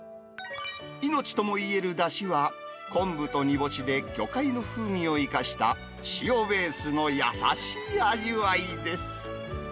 命ともいえるだしは昆布と煮干しで魚介の風味を生かした塩ベースの優しい味わいです。